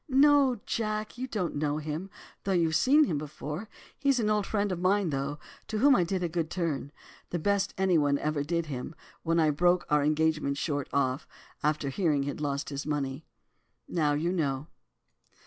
'No, Jack, you don't know him, though you've seen him before. He's an old friend of mine, though, to whom I did a good turn, the best any one ever did him, when I broke our engagement short off, after hearing he'd lost his money. Now you know.